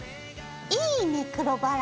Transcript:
いいね黒バラ。